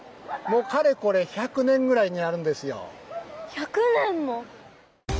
１００年も？